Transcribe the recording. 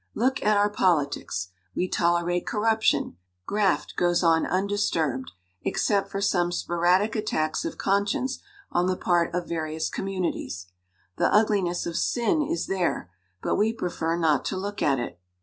1 ' Look at our politics ! We tolerate corruption ; graft goes on undisturbed, except for some spo 231 LITERATURE IN THE MAKING radic attacks of conscience on the part of various communities. The ugliness of sin is there, but we prefer not to look at it.